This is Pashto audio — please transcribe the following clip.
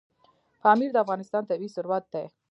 پامیر د افغانستان طبعي ثروت دی.